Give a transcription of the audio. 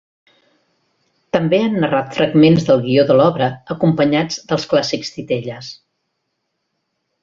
També han narrat fragments del guió de l’obra acompanyats dels clàssics titelles.